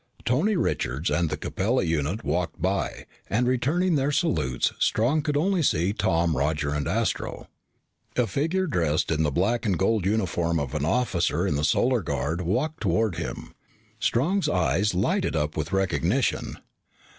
Tony Richards and the Capella unit walked by, and returning their salutes, Strong could only see Tom, Roger, and Astro. A figure dressed in the black and gold uniform of an officer in the Solar Guard walked toward him. Strong's eyes lighted up with recognition.